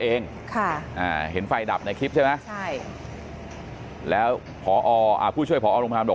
เองค่ะเห็นไฟดับในคลิปใช่ไหมแล้วผู้ช่วยผอบริษัทบอก